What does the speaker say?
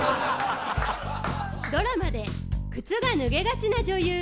・ドラマで靴が脱げがちな女優